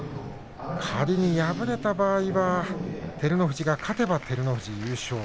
仮に、敗れた場合は照ノ富士が勝てば照ノ富士が優勝。